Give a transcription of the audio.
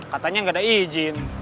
katanya nggak ada izin